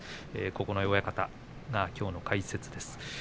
九重親方がきょうの解説です。